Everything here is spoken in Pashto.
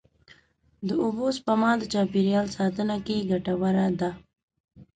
د اوبو سپما د چاپېریال ساتنې کې ګټوره ده.